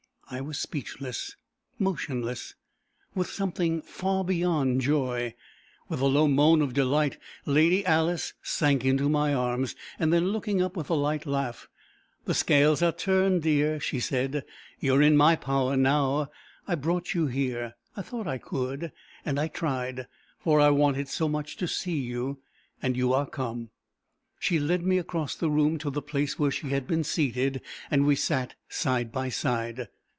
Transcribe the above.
I was speechless, motionless, with something far beyond joy. With a low moan of delight, Lady Alice sank into my arms. Then, looking up, with a light laugh "The scales are turned, dear," she said. "You are in my power now; I brought you here. I thought I could, and I tried, for I wanted so much to see you and you are come." She led me across the room to the place where she had been seated, and we sat side by side.